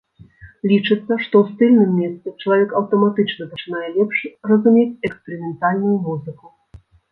Лічыцца, што ў стыльным месцы чалавек аўтаматычна пачынае лепш разумець эксперыментальную музыку.